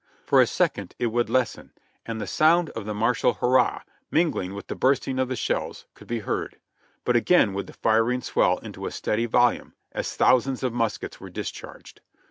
For a second it would lessen, and the sound of the martial hurrah, mingling with the bursting of the shells, could be heard ; but again would the firing swell into a steady volume, as thousands of muskets were discharged.